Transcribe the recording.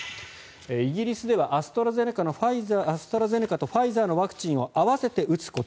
イギリスではアストラゼネカとファイザーのワクチンを合わせて打つこと